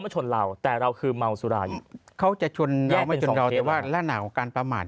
ใช่ของเราค่อนข้างจะหนักนะครับ